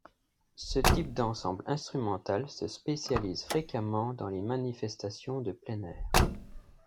Ce type d'ensemble instrumental se spécialise fréquemment dans les manifestations de plein air.